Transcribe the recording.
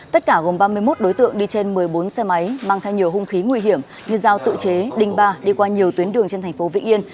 tất cả gồm ba mươi một đối tượng đi trên một mươi bốn xe máy mang thay nhiều hung khí nguy hiểm như giao tự chế đình ba đi qua nhiều tuyến đường trên tp vĩnh yên